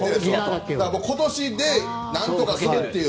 今年でなんとかするという。